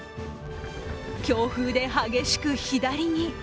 強風で激しく左に。